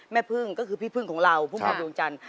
แม่เพิ่งก็คือพี่เพิ่งของเราเพิ่งของดวงจันทร์